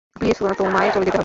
Please, তোমায় চলে যেতে হবে।